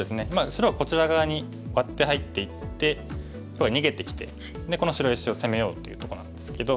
白はこちら側にワッて入っていって黒は逃げてきてでこの白石を攻めようというとこなんですけど。